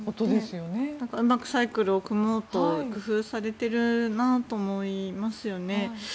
うまくサイクルを組もうと工夫されていると思いますよね。